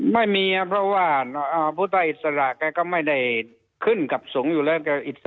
ไม่มีครับเพราะว่าพุทธอิสระแกก็ไม่ได้ขึ้นกับสงฆ์อยู่แล้ว